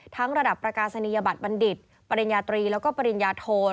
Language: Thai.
ทั้งระดับประกาศนียบัติบัณฑิตปริญญาตรีและปริญญาโทร